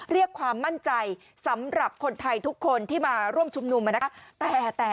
เรียกความมั่นใจสำหรับคนไทยทุกคนที่มาร่วมชุมนุมนะคะ